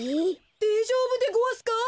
でえじょうぶでごわすか？